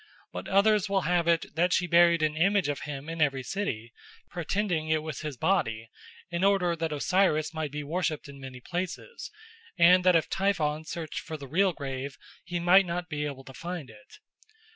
But others will have it that she buried an image of him in every city, pretending it was his body, in order that Osiris might be worshipped in many places, and that if Typhon searched for the real grave he might not be able to find it.